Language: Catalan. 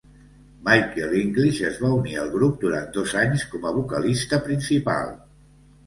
Michael English es va unir al grup durant dos anys com a vocalista principal.